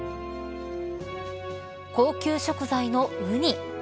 高級食材のウニ。